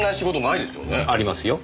ありますよ。